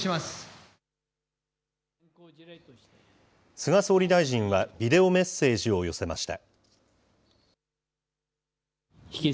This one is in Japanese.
菅総理大臣はビデオメッセージを寄せました。